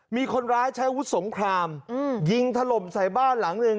มีคนร้ายใช้อาวุธสงครามยิงถล่มใส่บ้านหลังหนึ่ง